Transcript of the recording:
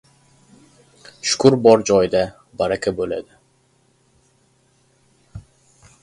• Shukr bor joyda baraka bo‘ladi.